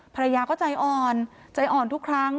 ภรรยาก็ใจอ่อนใจอ่อนทุกครั้ง